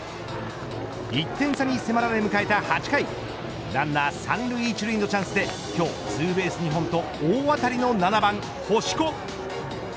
１点差に迫られ迎えた８回ランナー３塁１塁のチャンスで今日ツーベース２本と大当たりの７番、星子。